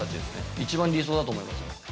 一番理想だと思います。